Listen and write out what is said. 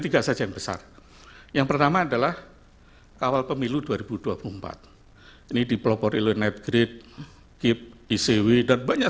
tiga saja yang besar yang pertama adalah kawal pemilu dua ribu dua puluh empat ini dipelopori oleh net grade kip icw dan banyak